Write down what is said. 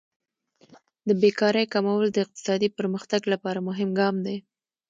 د بیکارۍ کمول د اقتصادي پرمختګ لپاره مهم ګام دی.